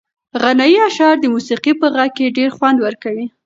غنایي اشعار د موسیقۍ په غږ کې ډېر خوند ورکوي.